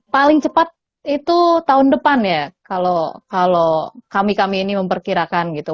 paling cepat itu tahun depan ya kalau kami kami ini memperkirakan gitu